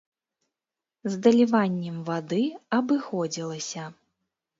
З даліваннем вады абыходзілася.